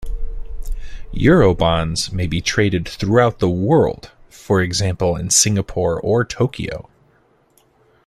Eurobonds may be traded throughout the world-for example in Singapore or Tokyo.